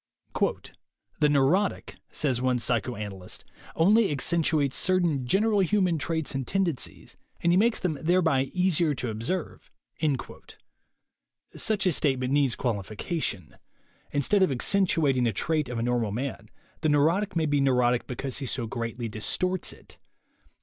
"The neurotic," says one psycho analyst, "only accentuates certain general human traits and tendencies and he makes them, thereby, THE WAY TO WILL POWER 91 easier to observe." Such a statement needs qualifi cation. Instead of "accentuating" a trait of a nor mal man, the neurotic may be a neurotic because he so greatly distorts it.